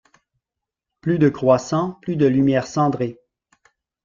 Plus de croissant, plus de lumière cendrée.